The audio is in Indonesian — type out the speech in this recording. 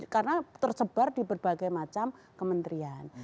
karena tersebar di berbagai macam kementerian